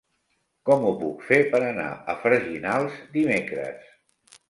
Com ho puc fer per anar a Freginals dimecres?